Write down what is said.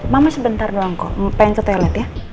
mama sebentar dong kok pengen ke toilet ya